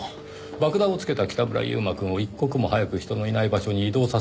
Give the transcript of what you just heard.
爆弾をつけた北村悠馬くんを一刻も早く人のいない場所に移動させなければなりません。